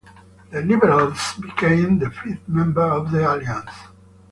The Liberals became the fifth member of the Alliance.